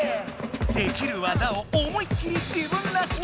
できる技を思いっきり自分らしく。